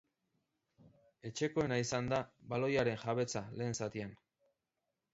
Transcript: Etxekoena izan da baloiaren-jabetza lehen zatian.